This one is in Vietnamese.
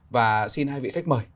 và xin hai vị khách mời